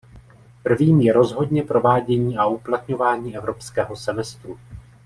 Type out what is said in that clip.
Prvým je rozhodně provádění a uplatňování evropského semestru.